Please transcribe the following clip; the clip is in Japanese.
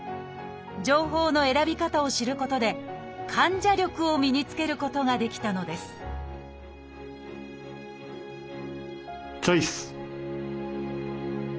情報の選び方を知ることで患者力を身につけることができたのですチョイス！